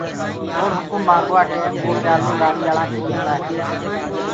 اور هُڪم منگوآ ٽيم وو پيآلو لآڏاݪا ڪوٚ ديندآ هينٚ۔